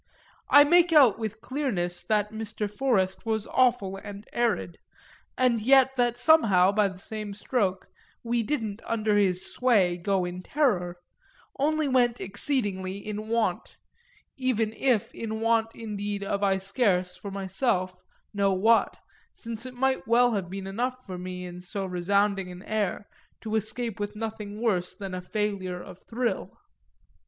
I make out with clearness that Mr. Forest was awful and arid, and yet that somehow, by the same stroke, we didn't, under his sway, go in terror, only went exceedingly in want; even if in want indeed of I scarce (for myself) know what, since it might well have been enough for me, in so resounding an air, to escape with nothing worse than a failure of thrill.